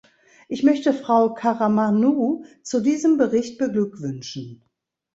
Ich möchte Frau Karamanou zu diesem Bericht beglückwünschen.